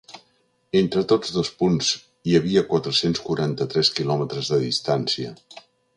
Entre tots dos punts hi havia quatre-cents quaranta-tres quilòmetres de distància.